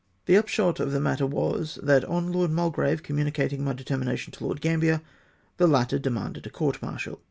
The upshot of the matter was, that on Lord Mul grave communicating my determination to Lord Gam bier, the latter demanded a court martial.